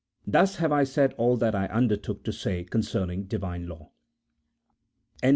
Thus have I said all that I undertook to say concerning Divine law. CHAP. VI.